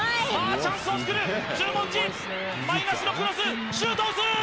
チャンスを作る、十文字、クロス、シュートを打つ！